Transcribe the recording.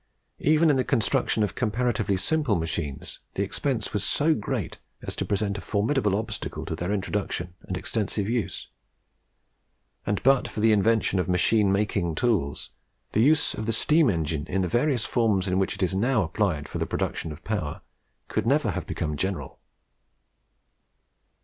Even in the construction of comparatively simple machines, the expense was so great as to present a formidable obstacle to their introduction and extensive use; and but for the invention of machine making tools, the use of the steam engine in the various forms in which it is now applied for the production of power could never have become general.